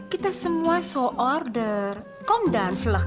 kita semua so order kom dan flak